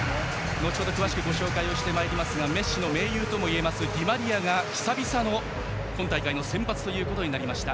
後程、詳しくご紹介しますがメッシの盟友といえるディマリアが久々の今大会の先発となりました。